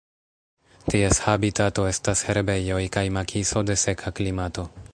Ties habitato estas herbejoj kaj makiso de seka klimato.